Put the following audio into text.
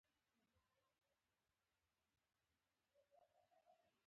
بریدګر په کې ښکیل وو